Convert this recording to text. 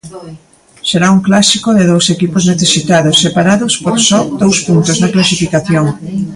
Será un Clásico de dous equipos necesitados, separados por só dous puntos na clasificación.